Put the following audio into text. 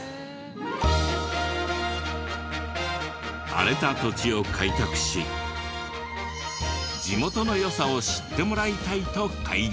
荒れた土地を開拓し地元の良さを知ってもらいたいと開業。